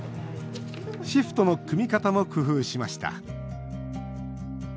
シフトの組み方も工夫しました。